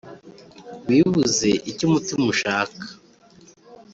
wibuze icyo umutima ushaka